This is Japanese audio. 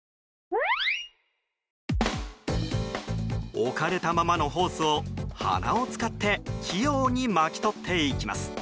置かれたままのホースを鼻を使って器用に巻き取っていきます。